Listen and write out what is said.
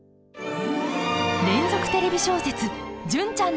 連続テレビ小説「純ちゃんの応援歌」